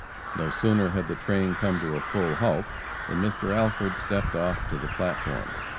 No sooner had the train come to a full halt than Mr. Alford stepped off to the platform.